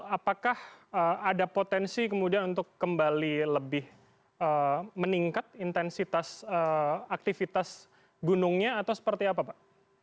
apakah ada potensi kemudian untuk kembali lebih meningkat intensitas aktivitas gunungnya atau seperti apa pak